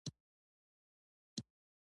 روغتیا مهمه ده